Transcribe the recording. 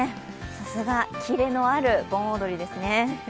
さすがキレのある盆踊りですね。